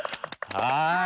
はい。